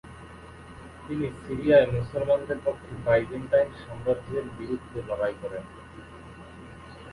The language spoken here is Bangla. তিনি সিরিয়ায় মুসলমানদের পক্ষে বাইজেন্টাইন সাম্রাজ্যের বিরুদ্ধে লড়াই করেন।